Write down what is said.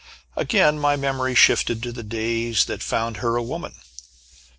Again my memory shifted to the days that found her a woman.